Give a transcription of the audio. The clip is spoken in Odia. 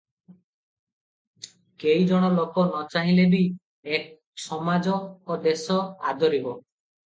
କେଇଜଣ ଲୋକ ନ ଚାହିଁଲେ ବି ଏକ ସମାଜ ଓ ଦେଶ ଆଦରିବ ।